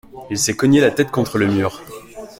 Il s’est cogné la tête contre le mur.